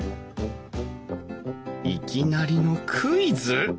いきなりのクイズ！？